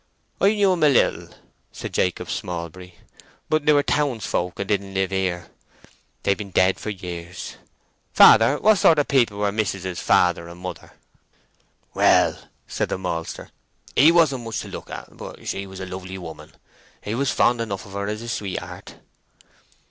"I knew them a little," said Jacob Smallbury; "but they were townsfolk, and didn't live here. They've been dead for years. Father, what sort of people were mis'ess' father and mother?" "Well," said the maltster, "he wasn't much to look at; but she was a lovely woman. He was fond enough of her as his sweetheart."